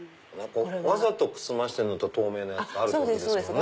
わざとくすましてるのと透明のがあるってことですよね。